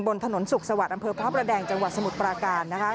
บนถนนสุขสวัสดิ์อำเภอพระประแดงจังหวัดสมุทรปราการนะคะ